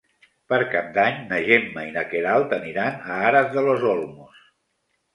Per Cap d'Any na Gemma i na Queralt aniran a Aras de los Olmos.